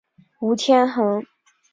吴天垣。